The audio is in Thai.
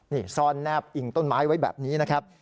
นี่ซ่อนแนบอิงต้นไม้ไว้แบบนี้นะครับ